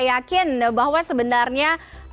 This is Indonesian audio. yakin bahwa sebenarnya